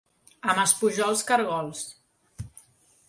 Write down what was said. A Maspujols, caragols.